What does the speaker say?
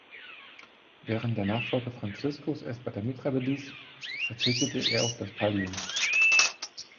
Während Nachfolger Franziskus es bei der Mitra beließ, verzichtete er auf das Pallium.